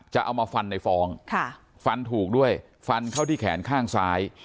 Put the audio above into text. จะเอามาฟันในฟ้องฟันถูกด้วยฟันเข้าที่แขนข้างซ้าย